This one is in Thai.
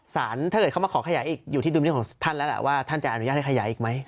ถ้าเกิดเขามาขอขยายอีกอยู่ที่ดุลเรื่องของท่านแล้วล่ะว่าท่านจะอนุญาตให้ขยายอีกไหม